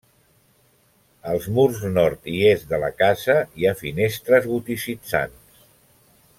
Als murs Nord i Est de la casa hi ha finestres goticitzants.